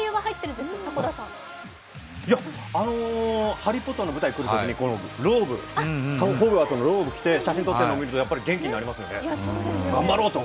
「ハリー・ポッター」の舞台で来るときに、ローブで写真撮っているのを見ると、元気になりますよね、頑張ろうと。